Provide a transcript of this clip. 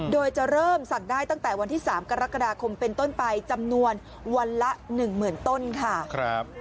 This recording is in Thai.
โดยจะเริ่มสั่งได้ตั้งแต่วันที่๓กรกฎาคมเป็นต้นไปจำนวนวันละ๑๐๐๐ต้นค่ะ